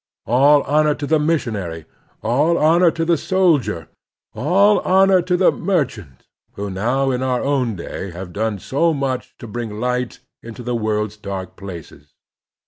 All honor to the missionary, all honor to the sol dier, all honor to the merchant who now in our own day have done so much to bring light into the world's dark places.